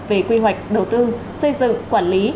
về quy hoạch đầu tư xây dựng quản lý